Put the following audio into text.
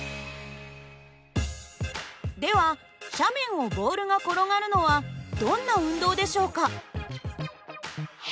では斜面をボールが転がるのはどんな運動でしょうか？